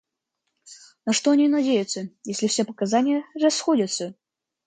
На что они надеются, если все показания расходятся?